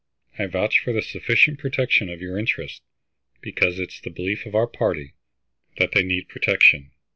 I vouch for the sufficient protection of your interests, because it is the belief of our party that they need protection.